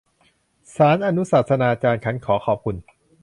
ศาลอนุศาสนาจารย์ฉันขอขอบคุณ